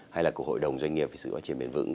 hay là của hội đồng doanh nghiệp về sự phát triển bền vững